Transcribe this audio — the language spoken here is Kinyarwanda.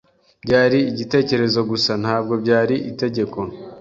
Byari igitekerezo gusa, ntabwo byari itegeko.